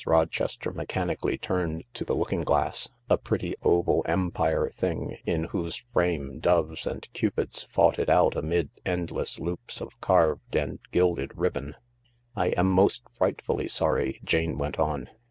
Rochester mechanically turned to the looking glass, a pretty oval Empire thing in whose frame doves and cupids fought it out amid endless loops of carved and gilded ribbon. " I am most frightfully sorry," Jane went on.